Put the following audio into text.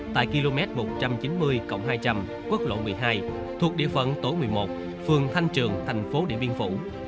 tại km một trăm chín mươi hai trăm linh quốc lộ một mươi hai thuộc địa phận tổ một mươi một phường thanh trường thành phố điện biên phủ